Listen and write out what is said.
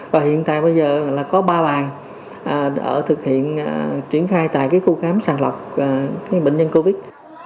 và hiện tại bây giờ là có ba bàn đã thực hiện triển khai tại khu khám sàng lọc bệnh nhân covid